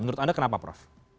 menurut anda kenapa prof